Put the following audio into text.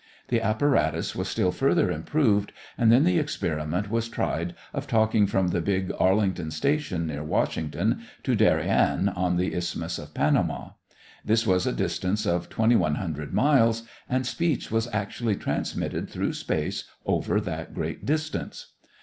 The apparatus was still further improved and then the experiment was tried of talking from the big Arlington station near Washington to Darien, on the Isthmus of Panama. This was a distance of twenty one hundred miles, and speech was actually transmitted through space over that great distance.